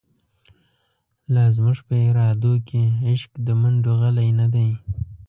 لازموږ په ارادوکی، عشق دمنډوغلی نه دی